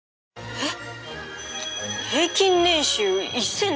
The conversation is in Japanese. えっ！？